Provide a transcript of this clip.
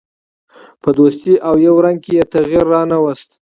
په دوستي او یو رنګي کې یې تغییر را نه ووست.